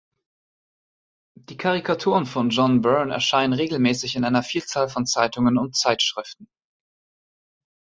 Die Karikaturen von John Byrne erscheinen regelmäßig in einer Vielzahl von Zeitungen und Zeitschriften.